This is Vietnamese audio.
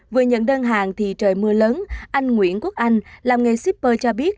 vừa nhận đơn hàng thì trời mưa lớn anh nguyễn quốc anh làm nghề shipper cho biết